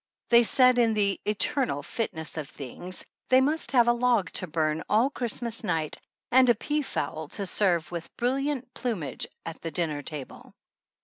They said in the "eternal fitness of things" they must have a log to burn all Christmas night and a peafowl to serve with "brilliant plumage" at the dinner table.